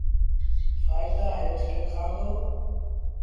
ڦآئيدآ هيٺ لکآݩ دو۔